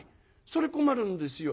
それ困るんですよ。